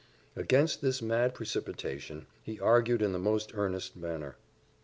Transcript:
Against this mad precipitation he argued in the most earnest manner.